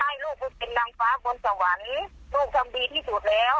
ให้ลูกไปเป็นนางฟ้าบนสวรรค์ลูกทำดีที่สุดแล้ว